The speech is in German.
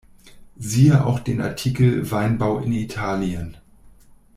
Siehe auch den Artikel Weinbau in Italien.